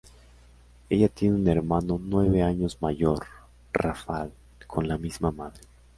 Ella tiene un hermano nueve años mayor, Rafał, con la misma madre.